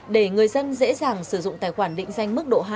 để người dân dễ dàng sử dụng tài khoản định danh mức độ hai